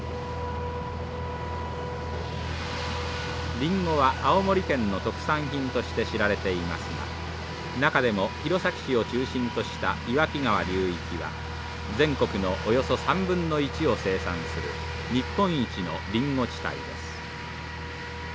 リンゴは青森県の特産品として知られていますが中でも弘前市を中心とした岩木川流域は全国のおよそ３分の１を生産する日本一のリンゴ地帯です。